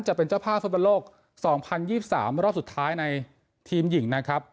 จะเป็นเจ้าภาพฟุตบอลโลก๒๐๒๓รอบสุดท้ายในทีมหญิงนะครับ